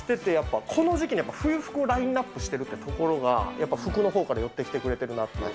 出してって、やっぱこの時期に冬服をラインナップしてるってところが、やっぱり服のほうから寄って来てくれてるなって。